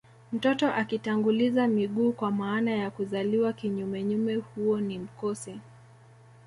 Mtoto akitanguliza miguu kwa maana ya kuzaliwa kinyumenyume huo ni mkosi